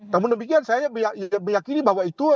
namun demikian saya meyakini bahwa itu